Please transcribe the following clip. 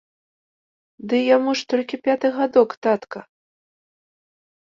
Ды яму ж толькі пяты гадок, татка.